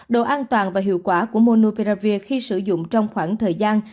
đồ an toàn và hiệu quả của monopiravir khi sử dụng trong khoảng thời gian